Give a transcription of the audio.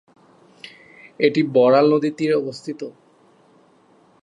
এটি বড়াল নদীর তীরে অবস্থিত।